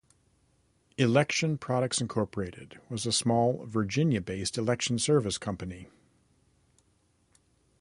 Election Products Incorporated was a small Virginia-based election service company.